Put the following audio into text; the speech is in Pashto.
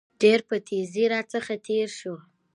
ډېر په تېزى راڅخه تېر شو.